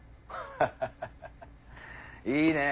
ハハハハいいねぇ。